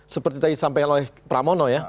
seperti tadi disampaikan oleh pramono ya